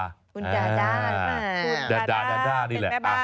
คุณดาดานี่แหละ